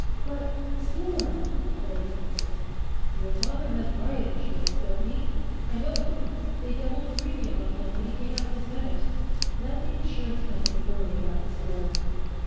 "But the store " Claire began. "Your father has riot insurance, doesn't he? I know he does; they doubled the premium on him when he came out for Senate. Let the insurance company worry about the store."